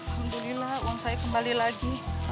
alhamdulillah uang saya kembali lagi